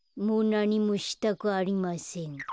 もうなにもしたくありません。